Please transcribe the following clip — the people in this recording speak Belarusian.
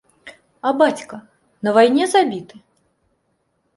А бацька, на вайне забіты?!